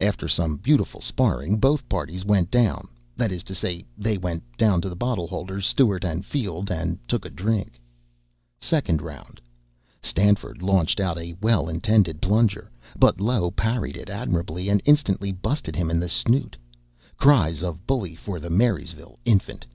After some beautiful sparring, both parties went down that is to say, they went down to the bottle holders, Stewart and Field, and took a drink. Second Round. Stanford launched out a well intended plunger, but Low parried it admirably and instantly busted him in the snoot. (Cries of "Bully for the Marysville Infant!")